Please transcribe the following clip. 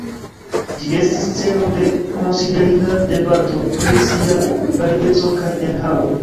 Ĝi estis celo de konsiderinda debato pri sia valideco kaj enhavo.